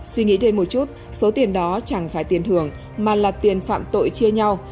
suy nghĩ thêm một chút số tiền đó chẳng phải tiền hưởng mà là tiền phạm tội chia nhau